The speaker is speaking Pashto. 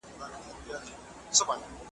چي پر ځان یې د مرګي د ښکاري وار سو .